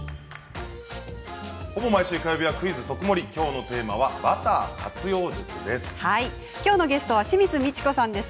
ほぼ毎週火曜日は「クイズとくもり」きょうのテーマはバター活用術です。